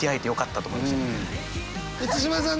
満島さん